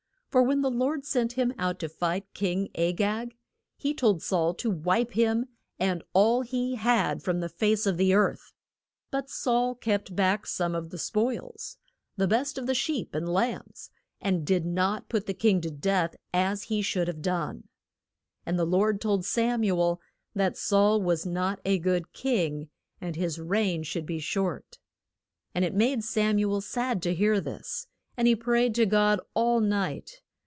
For when the Lord sent him out to fight King A gag, he told Saul to wipe him and all he had from the face of the earth. But Saul kept back some of the spoils, the best of the sheep and lambs, and did not put the king to death as he should have done. And the Lord told Sam u el that Saul was not a good king, and his reign should be short. And it made Sam u el sad to hear this, and he prayed to God all night.